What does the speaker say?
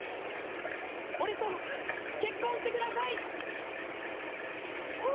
俺と結婚してくださいえっ！？